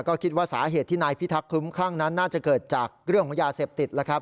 ก็คิดว่าสาเหตุที่นายพิทักษ์คลุ้มคลั่งนั้นน่าจะเกิดจากเรื่องของยาเสพติดแล้วครับ